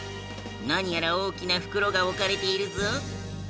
何やら大きな袋が置かれているぞ。